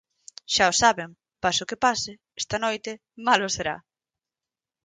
Xa o saben, pase o que pase, esta noite, Malo Será.